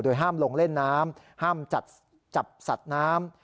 ห้ามลงเล่นน้ำห้ามจับสัตว์น้ำ